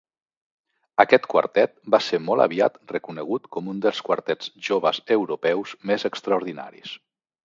Aquest quartet va ser molt aviat reconegut com un dels quartets joves europeus més extraordinaris.